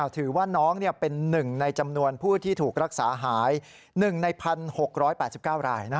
ถือว่าน้องเป็น๑ในจำนวนผู้ที่ถูกรักษาหาย๑ใน๑๖๘๙ราย